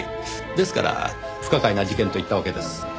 ですから不可解な事件と言ったわけです。